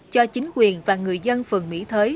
cho chính quyền và người dân phường mỹ thới